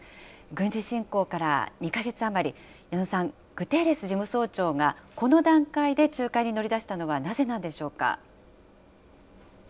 軍事侵攻から２か月余り、矢野さん、グテーレス事務総長がこの段階で仲介に乗り出したのは、なぜなんでしょうか。